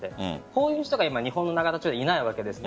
こういう人が日本の永田町にいないわけです。